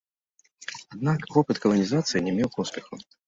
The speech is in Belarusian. Аднак вопыт каланізацыі не меў поспеху.